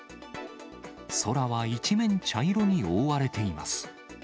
空は一面茶色に覆われています。